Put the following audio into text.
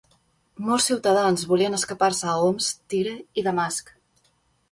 Molts ciutadans volien escapar-se a Homs, Tyre i Damasc.